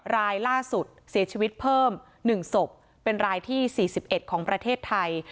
รายล่าสุดเสียชีวิตเพิ่ม๑ศพเป็นรายที่๔๑ของประเทศไทย